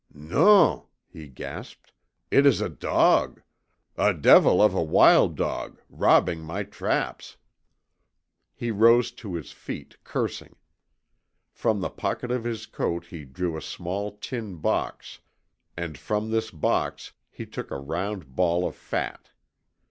"NON!" he gasped. "It is a dog! A devil of a wild dog robbing my traps!" He rose to his feet, cursing. From the pocket of his coat he drew a small tin box, and from this box he took a round ball of fat.